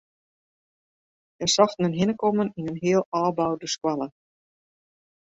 Hja sochten in hinnekommen yn in heal ôfboude skoalle.